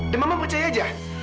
dan mama percaya aja